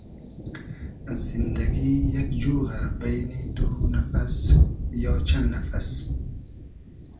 زیندئگی یئگ جوغۂ بݷنی دو نئفئس یا چئن نئفئس